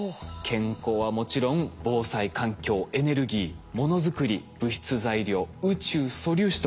健康はもちろん防災・環境エネルギーものづくり物質材料宇宙・素粒子と。